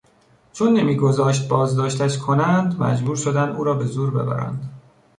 چون نمیگذاشت بازداشتش کنند مجبور شدند او را به زور ببرند.